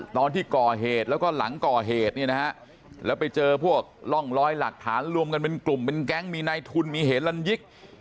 ตอนที่ก่อเหตุแล้วก็หลังก่อเหตุเนี่ยนะฮะแล้วไปเจอพวกร่องรอยหลักฐานรวมกันเป็นกลุ่มเป็นแก๊งมีในทุนมีเหตุลันยิก